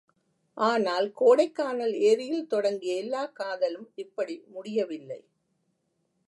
ஆனால் கோடைக் கானல் ஏரியில் தொடங்கிய எல்லாக் காதலும் இப்படி முடியவில்லை.